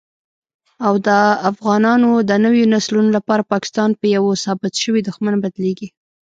او دافغانانو دنويو نسلونو لپاره پاکستان په يوه ثابت شوي دښمن بدليږي